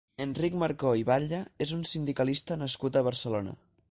Enric Marco i Batlle és un sindicalista nascut a Barcelona.